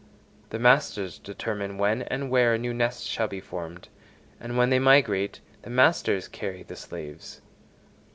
The masters determine when and where a new nest shall be formed, and when they migrate, the masters carry the slaves.